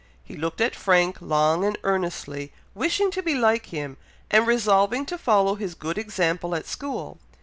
He looked at Frank long and earnestly, wishing to be like him, and resolving to follow his good example at school.